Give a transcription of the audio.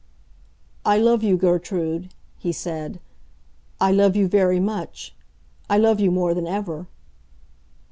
"I love you, Gertrude," he said. "I love you very much; I love you more than ever."